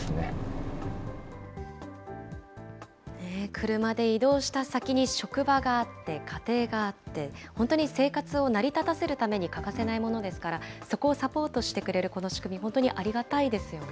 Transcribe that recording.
車で移動した先に職場があって、家庭があって、本当に生活を成り立たせるために欠かせないものですから、そこをサポートしてくれるこの仕組み、本当にありがたいですよね。